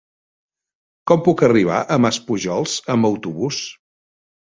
Com puc arribar a Maspujols amb autobús?